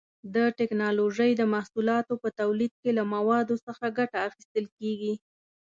د ټېکنالوجۍ د محصولاتو په تولید کې له موادو څخه ګټه اخیستل کېږي.